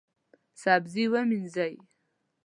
سبزي ومینځئ